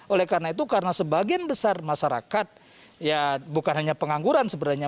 oleh karena itu karena sebagian besar masyarakat ya bukan hanya pengangguran sebenarnya